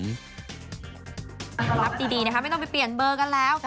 รับดีนะคะไม่ต้องไปเปลี่ยนเบอร์กันแล้ว